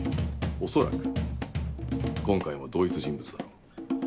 恐らく今回も同一人物だろう。